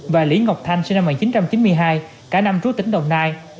và lý ngọc thanh sinh năm một nghìn chín trăm chín mươi hai cả năm trú tỉnh đồng nai